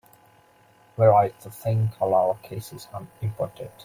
We like to think all our cases are important.